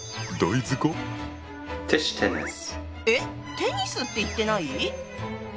テニスって言ってない？